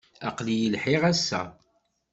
Aql-iyi lhiɣ, ass-a.